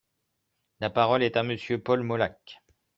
La parole est à Monsieur Paul Molac.